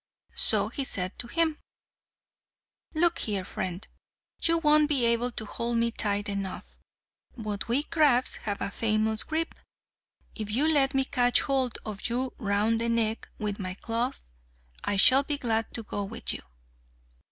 So he said to him: "Look here, friend, you won't be able to hold me tight enough; but we crabs have a famous grip. If you let me catch hold of you round the neck with my claws, I shall be glad to go with you."